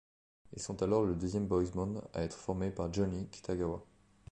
Ils sont alors le deuxième boys band à être formé par Johnny Kitagawa.